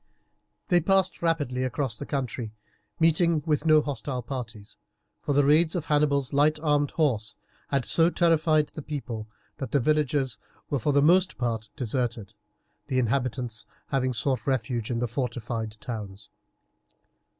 They passed rapidly across the country, meeting with no hostile parties, for the raids of Hannibal's light armed horse had so terrified the people that the villages were for the most part deserted, the inhabitants having sought refuge in the fortified towns.